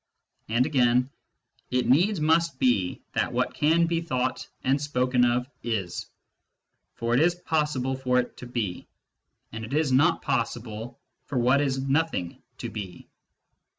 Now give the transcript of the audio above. And again :" It needs must be that what can be thought and spoken of is ; for it is possible for it to be, and it is not possible for what is nothing to be."